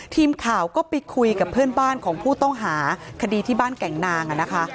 ทีมข่าวก็ไปคุยกับเพื่อนบ้านของผู้ต้องหาคดีที่บ้านแก่งนางนะคะ